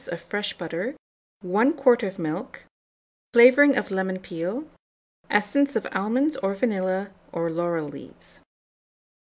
of fresh butter, 1 quart of milk, flavouring of lemon peel, essence of almonds or vanilla, or laurel leaves.